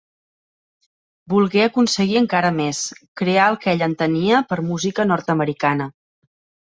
Volgué aconseguir encara més: crear el que ell entenia per música nord-americana.